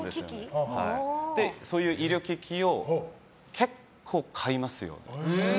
そういう美容機器を結構買いますよ。